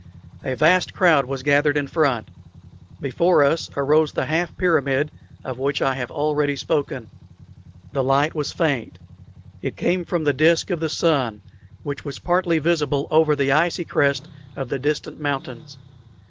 A vast crowd was gathered in front. Before us arose the half pyramid of which I have already spoken. The light was faint. It came from the disk of the sun, which was partly visible over the icy crest of the distant mountains.